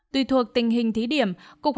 tùy thuộc tình hình thí điểm